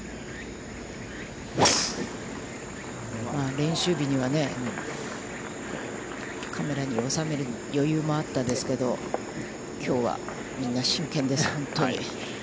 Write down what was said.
練習日には、カメラに収める余裕もあったんですけれども、きょうは、みんな真剣です、本当に。